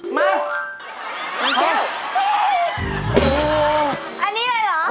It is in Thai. มามีแก้วโอ้โฮอันนี้เลยเหรอ